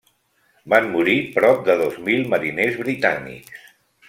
Van morir prop de dos mil mariners britànics.